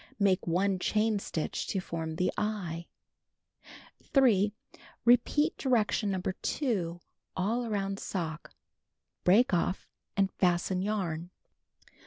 Make 1 chain stitch to form the "eye." 3. Repeat direction No. 2 all around sock. Break off and fasten yarn.